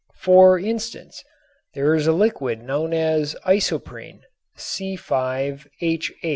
For instance there is a liquid known as isoprene (C_H_).